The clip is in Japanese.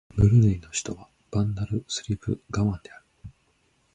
ブルネイの首都はバンダルスリブガワンである